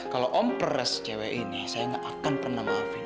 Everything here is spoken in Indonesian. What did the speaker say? kalau om pers cewek ini saya nggak akan pernah maafin